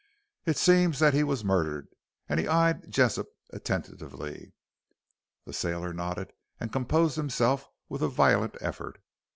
It seems that he was murdered," and he eyed Jessop attentively. The sailor nodded and composed himself with a violent effort.